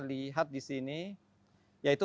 lihat di sini yaitu